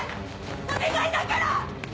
お願いだから！